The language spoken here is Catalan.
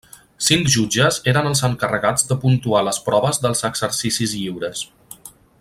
Cinc jutges eren els encarregats de puntuar les proves dels exercicis lliures.